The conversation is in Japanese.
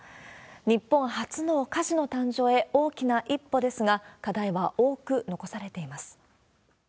日本初のカジノ誕生へ、大きな一歩ですが、課題は多く残されています。